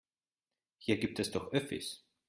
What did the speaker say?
Hier gibt es doch Öffis.